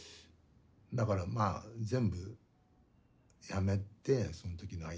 だからまあ全部やめてその時のアイデアは。